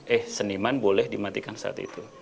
eh seniman boleh dimatikan saat itu